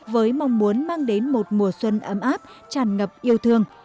với mong muốn mang đến một mùa xuân ấm áp tràn ngập yêu thương